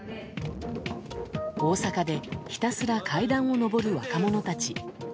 大阪でひたすら階段を上る若者たち。